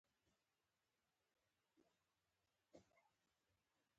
د پښتو ژبې لپاره د کامن وایس مرسته خورا مهمه ده.